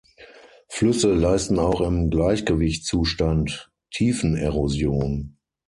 Flüsse leisten auch im Gleichgewichtszustand Tiefenerosion.